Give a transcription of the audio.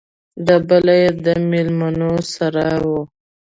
دا بل يې د ميلمنو سراى و.